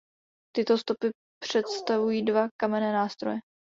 Tyto stopy představují dva kamenné nástroje.